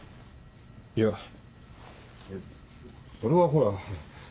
いやそれはほら。